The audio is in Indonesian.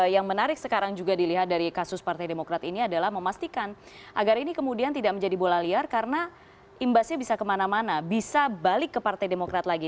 yang menarik sekarang juga dilihat dari kasus partai demokrat ini adalah memastikan agar ini kemudian tidak menjadi bola liar karena imbasnya bisa kemana mana bisa balik ke partai demokrat lagi